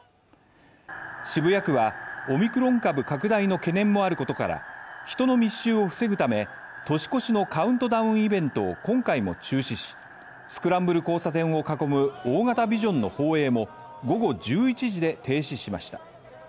渋谷区はオミクロン株拡大の懸念もあることから人の密集を防ぐため年越しのくカウントダウンイベントを今回も中止し、スクランブル交差点を囲む大型ビジョンの放映も午後１１時で停止しました。